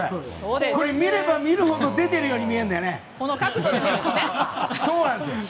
これ見れば、見るほど出てるように見えるんだよね。